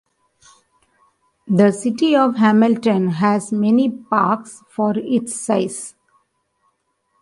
The city of Hamilton has many parks for its size.